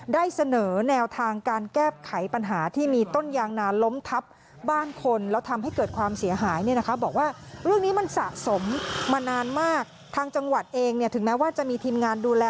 ได้เสนอแนวทางการแก้ปไขปัญหาที่มีต้นยางนาลล้มทับบ้านคน